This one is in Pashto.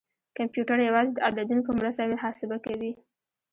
کمپیوټر یوازې د عددونو په مرسته محاسبه کوي.